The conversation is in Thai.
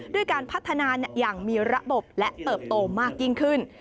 ด้วยการพัฒนาอย่างมีระบบและเติบโตมากยิ่งขึ้น